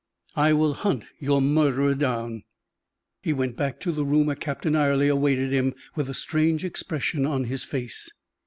"I will hunt your murderer down." He went back to the room, where Captain Ayrley awaited him, with a strange expression on his face.